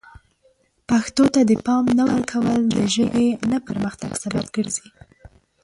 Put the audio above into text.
پښتو ته د پام نه ورکول د ژبې نه پرمختګ سبب ګرځي.